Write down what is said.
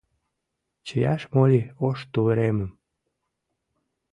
Чияш моли ош тувыремым